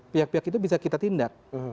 pihak pihak itu bisa kita tindak